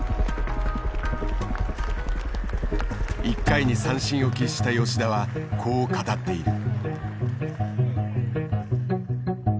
１回に三振を喫した吉田はこう語っている。